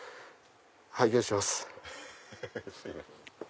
拝見します。